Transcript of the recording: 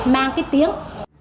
mang cái tiếng